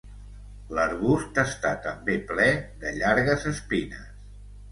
L'arbust està també ple de llargues espines.